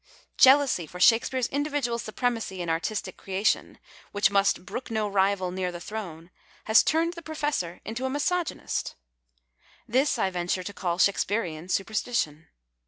Jealousy for Shakespeare's individual supremacy in artistic creation, which must " brook no rival near the throne," has turned the professor into a misogynist. This I venture to call Shakespearian superstition.